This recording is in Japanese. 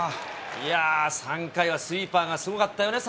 ３回はスイーパーがすごかったよ